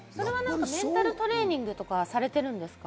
メンタルトレーニングとかされてるんですか？